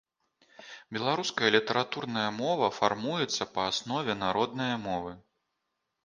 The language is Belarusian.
Беларуская літаратурная мова фармуецца па аснове народнае мовы.